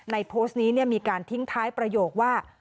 โพสต์นี้มีการทิ้งท้ายประโยคว่า